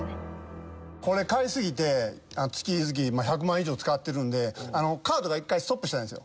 これ買いすぎて月々１００万以上使ってるんでカードが一回ストップしたんですよ。